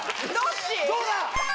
どうだ？